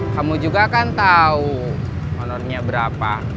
kamu juga kan tahu honornya berapa